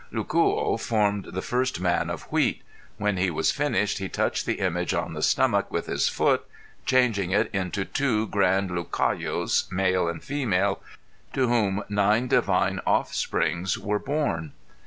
Lucuo formed the first man of wheat; when he was finished he touched the image on the stomach with his foot changing it into two grand Lucayos, male and female to whom nine divine offsprings were born.